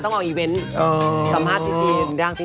สัมภาษณ์จริง